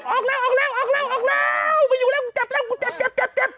ออกแล้วมาอยู่แล้วกูจับแล้วกูจับ